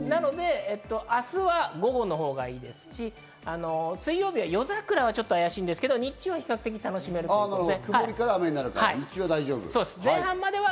明日は午後のほうがいいですし、水曜日は夜桜はちょっと怪しいんですけれど、日中は比較的楽しめると思います。